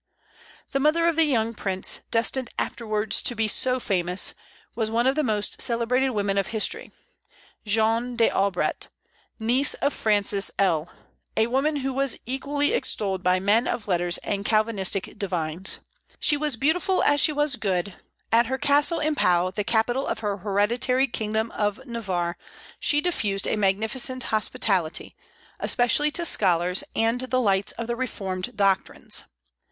The mother of the young prince, destined afterwards to be so famous, was one of the most celebrated women of history, Jeanne D'Albret, niece of Francis L; a woman who was equally extolled by men of letters and Calvinistic divines. She was as beautiful as she was good; at her castle in Pau, the capital of her hereditary kingdom of Navarre, she diffused a magnificent hospitality, especially to scholars and the lights of the reformed doctrines.